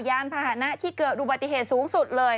ยานพาหนะที่เกิดอุบัติเหตุสูงสุดเลย